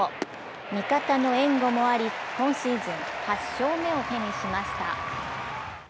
味方の援護もあり今シーズン８勝目を手にしました。